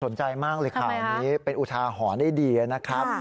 สนใจมากเลยข่าวนี้เป็นอุทาหรณ์ได้ดีนะครับ